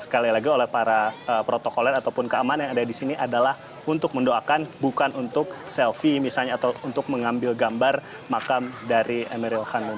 harus diperkenankan dan diperkenankan untuk parkir di lokasi ini